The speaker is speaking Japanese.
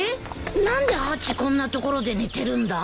何でハチこんな所で寝てるんだ？